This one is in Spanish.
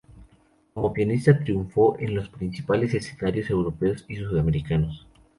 Como pianista, triunfó en los principales escenarios europeos y sudamericanos.